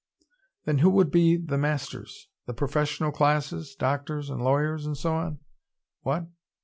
"Then who would be the masters? the professional classes, doctors and lawyers and so on?" "What?